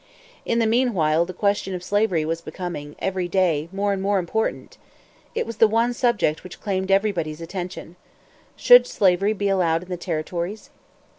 In the meanwhile the question of slavery was becoming, every day, more and more important. It was the one subject which claimed everybody's attention. Should slavery be allowed in the territories?